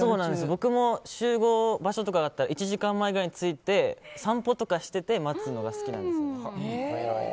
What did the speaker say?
僕も集合場所とかだったら１時間前ぐらいに着いて散歩とかして待つのが好きなんです。